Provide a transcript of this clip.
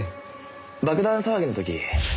爆弾騒ぎの時。